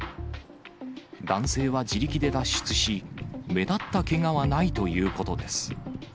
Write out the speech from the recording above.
男性は自力で脱出し、目立ったけがはないということです。